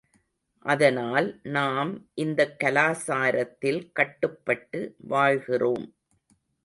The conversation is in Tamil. அதனால் நாம் இந்தக் கலாசாரத்தில் கட்டுப்பட்டு வாழ்கிறோம்.